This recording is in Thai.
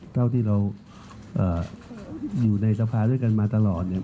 เท่าที่เราอยู่ในสภาด้วยกันมาตลอดเนี่ย